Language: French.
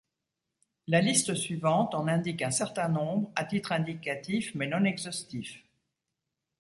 La liste suivante en indique un certain nombre, à titre indicatif mais non exhaustif.